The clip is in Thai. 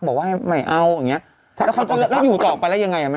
บอกว่าให้ใหม่เอาอย่างนี้แล้วเขาก็เริ่มอยู่ต่อไปแล้วยังไง